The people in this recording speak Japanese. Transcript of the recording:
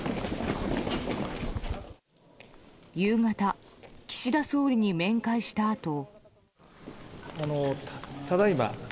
夕方、岸田総理に面会したあと。